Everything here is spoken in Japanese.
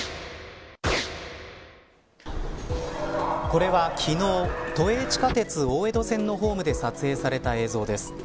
これは昨日都営地下鉄大江戸線のホームで撮影された映像です。